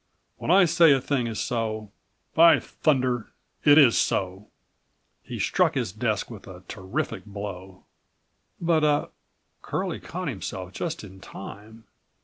When I say a thing is so, by thunder it is so!" He struck his desk a terrific blow. "But a—" Curlie caught himself just in time.